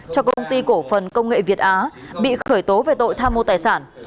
cho công ty cổ phần công nghệ việt á bị khởi tố về tội tha mua tài sản